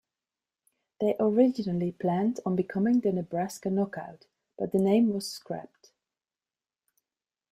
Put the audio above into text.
They originally planned on becoming the Nebraska Knockout, but the name was scrapped.